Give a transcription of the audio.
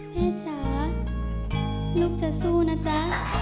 แม่จ๋าลูกจะสู้นะจ๊ะ